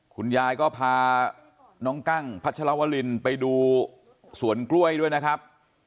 คุณยายก็พาน้องกั้งพัชรวรินไปดูสวนกล้วยด้วยนะครับ